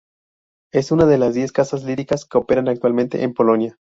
Es una de las diez casas líricas que operan actualmente en Polonia.